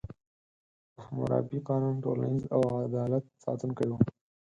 د حموربي قانون ټولنیز او عدالت ساتونکی و.